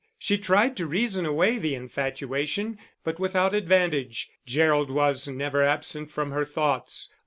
She tried to reason away the infatuation, but without advantage; Gerald was never absent from her thoughts.